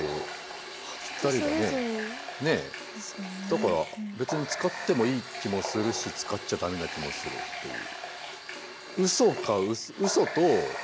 だから別に使ってもいい気もするし使っちゃ駄目な気もするっていう。